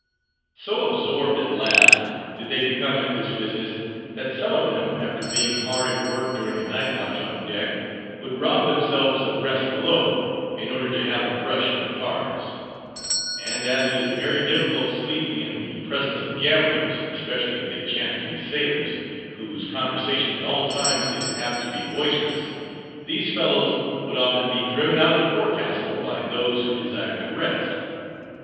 _ So absorbed, at last, did they become at this business, that some of them, after being hard at work during a nightwatch on deck, would rob themselves of rest below, in order to have a brush at the cards. And as it is very difficult sleeping in the presence of gamblers; especially if they chance to be sailors, whose conversation at all times is apt to be boisterous; these fellows would often be driven out of the forecastle by those who desired to rest.